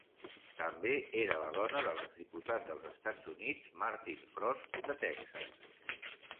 També era la dona del exdiputat dels Estats Units Martin Frost de Texas.